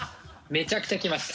めちゃくちゃ来ました。